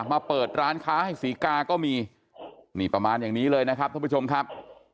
มาเปิดร้านค้าให้ศรีกาก็มีนี่ประมาณอย่างนี้เลยนะครับท่านผู้ชมครับ